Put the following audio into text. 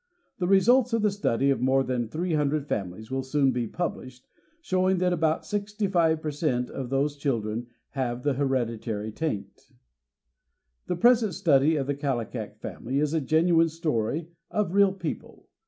The re sults of the study of more than 300 families will soon be published, showing that about 65 per cent of these children have the hereditary taint. The present study of the Kallikak family is a genuine story of real people.